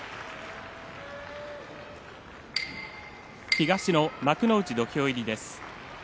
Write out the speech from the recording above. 東の幕内、土俵入りです。